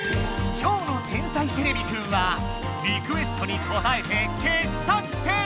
今日の「天才てれびくん」はリクエストにこたえて傑作選！